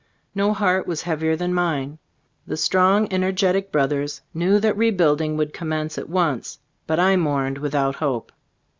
No heart was heavier than mine. The strong, energetic brothers knew that rebuilding would commence at once, but I mourned without hope.